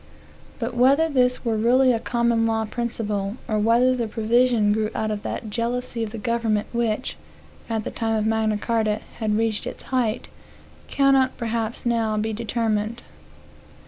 But whether this were really a common law principle, or whether the provision grew out of that jealousy of the government which, at the time of Magna Carta, had reached its height, cannot perhaps now be determined.